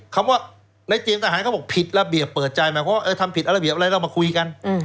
คำว่าในเตรียมทหารเขาบอกผิดระเบียบเปิดใจหมายความว่าทำผิดระเบียบอะไรเรามาคุยกัน